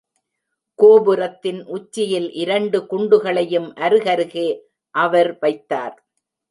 கோபுரத்தின் உச்சியில் இரண்டு குண்டுகளையும் அருகருகே அவர் வைத்தார்!